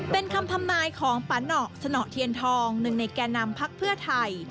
เป็นคำทำนายของปาหนอสนเทียนทองหนึ่งในแก่นำพักเพื่อไทย